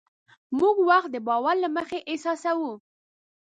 موږ وخت د باور له مخې احساسوو.